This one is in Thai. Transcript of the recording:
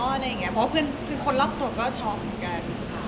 เพราะว่าเพื่อนคนลอกตัวก็ชอบเหมือนกัน